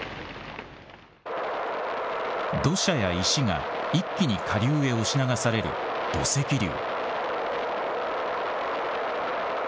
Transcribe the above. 土砂や石が一気に下流へ押し流される土石流。